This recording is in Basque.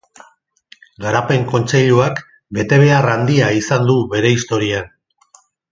Garapen Kontseiluak betebehar handia izan du bere historian.